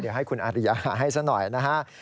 เดี๋ยวให้คุณอาริยาให้ซะหน่อยนะฮะ